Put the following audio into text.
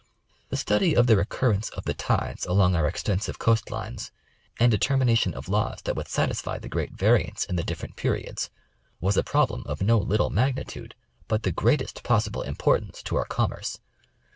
The study of the recurrence of the tides along our extensive Coast lines, and determination of laws that would satisfy the great variance in the different periods, was a problem of no little magnitude but the greatest possible importance to our commerce.